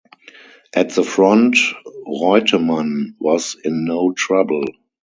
At the front, Reutemann was in no trouble.